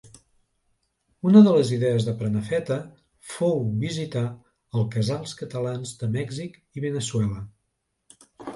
Una de les idees de Prenafeta fou visitar el Casals Catalans de Mèxic i Veneçuela.